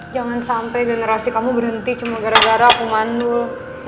jangan sampai generasi kamu berhenti cuma gara gara aku mandul